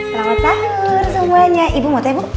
selamat tahur semuanya ibu mau teh bu